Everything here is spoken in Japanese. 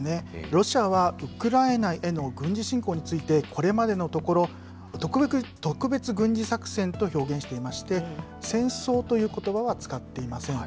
ロシアはウクライナへの軍事侵攻について、これまでのところ、特別軍事作戦と表現していまして、戦争ということばは使っていません。